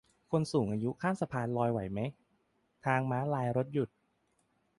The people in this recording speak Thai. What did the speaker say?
คนสูงอายุข้ามสะพานลอยไหวมั้ย ทางม้าลายรถหยุด